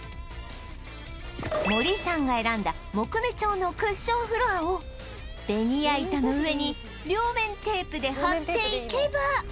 森さんが選んだ木目調のクッションフロアをベニヤ板の上に両面テープで貼っていけば